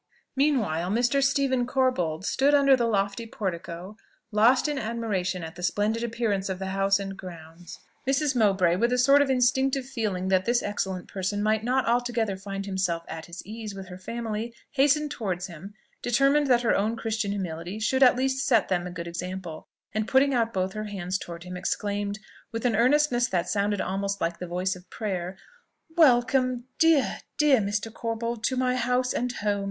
Meanwhile, Mr. Stephen Corbold stood under the lofty portico, lost in admiration at the splendid appearance of the house and grounds. Mrs. Mowbray, with a sort of instinctive feeling that this excellent person might not altogether find himself at his ease with her family, hastened towards him, determined that her own Christian humility should at least set them a good example, and putting out both her hands towards him, exclaimed, with an earnestness that sounded almost like the voice of prayer, "Welcome, dear, DEAR, Mr. Corbold, to my house and home!